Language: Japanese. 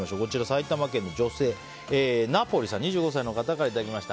埼玉県の女性、２５歳の方からいただきました。